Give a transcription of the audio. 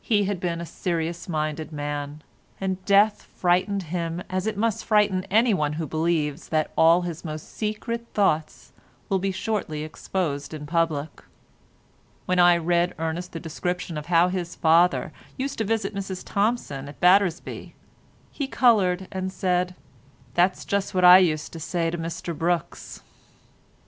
He had been a serious minded man, and death frightened him as it must frighten anyone who believes that all his most secret thoughts will be shortly exposed in public. When I read Ernest the description of how his father used to visit Mrs Thompson at Battersby, he coloured and said—"that's just what I used to say to Mr Brookes."